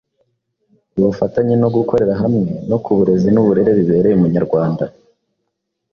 ubufatanye no gukorera hamwe no ku burezi n’uburere bibereye Umunyarwanda